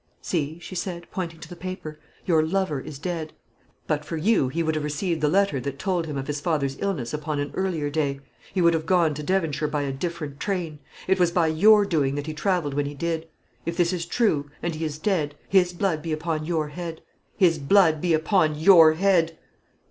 "'See,' she said, pointing to the paper; 'your lover is dead. But for you he would have received the letter that told him of his father's illness upon an earlier day; he would have gone to Devonshire by a different train. It was by your doing that he travelled when he did. If this is true, and he is dead, his blood be upon your head; his blood be upon your head!'